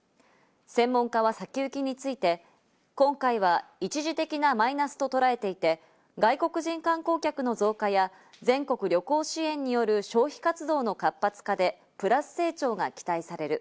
専門家は先行きについて、今回は一時的なマイナスととらえていて、外国人観光客の増加や全国旅行支援による消費活動の活発化でプラス成長が期待される。